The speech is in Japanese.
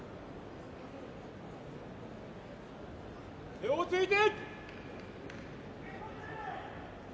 手をついて。